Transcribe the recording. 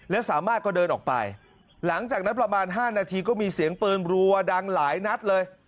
และสามารถก็เดินออกไปหลังจากนั้นประมาณ๕นาทีก็มีเสียงปืนรัวดังหลายนัดเลย